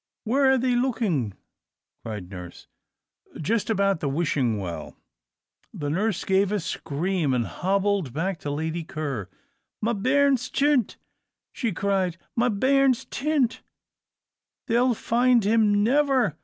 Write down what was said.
"Where are they looking?" cried nurse. "Just about the Wishing Well." The nurse gave a scream, and hobbled back to Lady Ker. "Ma bairn's tint!"* she cried, "ma bairn's tint! They 'll find him never.